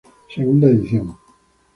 Segunda edición.